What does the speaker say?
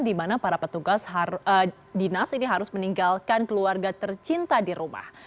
di mana para petugas dinas ini harus meninggalkan keluarga tercinta di rumah